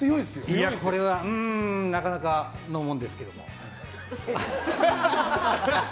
うーんこれはなかなかのもんですけども。